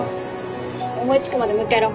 思いつくまでもう一回やろう。